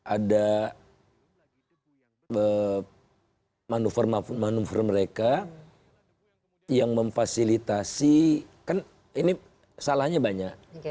ada manuver manuver mereka yang memfasilitasi kan ini salahnya banyak